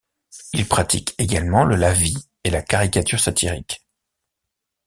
Il pratique également le lavis et la caricature satirique.